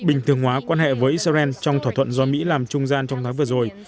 bình thường hóa quan hệ với israel trong thỏa thuận do mỹ làm trung gian trong tháng vừa rồi